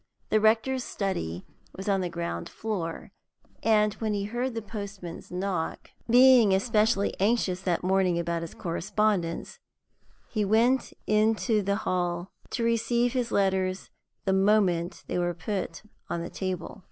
The rector's study was on the ground floor, and when he heard the postman's knock, being especially anxious that morning about his correspondence, he went out into the hall to receive his letters the moment they were put on the table.